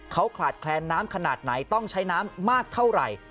เขาขาดแคลนน้ำขนาดไหนต้องใช้น้ำมากเท่าไหร่